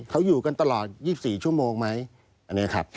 เขาอยู่กันตลอด๒๔ชั่วโมงไหมอันนี้ครับ